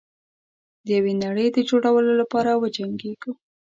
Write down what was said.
د یوې نړۍ د جوړولو لپاره وجنګیږو.